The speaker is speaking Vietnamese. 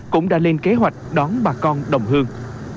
cũng đã lên kế hoạch đón bà con đồng hương